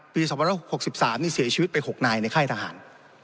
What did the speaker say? ปี๒๖๓นี่เสียชีวิตไป๖นายในไข้ทหาร